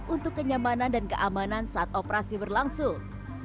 untuk kenyamanan dan keamanan saat operasi berlangsung